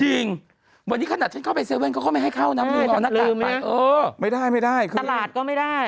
จริงวันนี้ขนาดฉันเข้าไปเซเว่นเขาก็ไม่ให้เข้าน้ำลืมออกหน้ากากไปไม่ได้ตลาดก็ไม่ได้